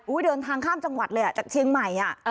อุ้ยเดินทางข้ามจังหวัดเลยอ่ะจากเชียงใหม่อ่ะเออ